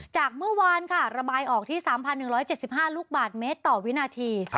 จากเมื่อวานค่ะระบายออกที่สามพันหนึ่งร้อยเจสิบห้าลูกบาทเมตรต่อวินาที